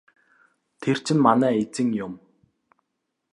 Тэр чинь манай эзэн юм.